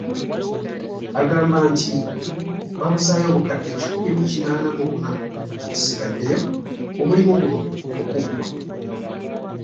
Agamba nti babuzaayo obukadde kikumi mu kinaana mu buna obusigaddeyo omulimu guno okuggwa